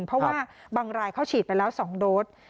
เพราะว่าบางรายเขาฉีดไปแล้ว๒โดส